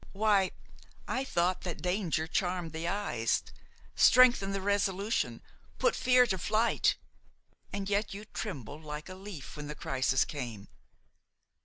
Why, I thought that danger charmed the eyes, strengthened the resolution, put fear to flight; and yet you trembled like a leaf when the crisis came!